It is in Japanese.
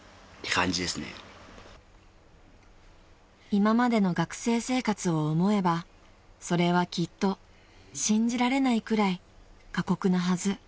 ［今までの学生生活を思えばそれはきっと信じられないくらい過酷なはず］